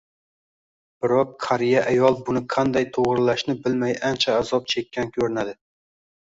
Biroq qariya ayol buni qanday toʻgʻrilashni bilmay ancha azob chekkan koʻrinadi